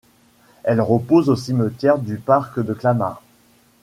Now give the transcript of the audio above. Elle repose au cimetière du Parc de Clamart.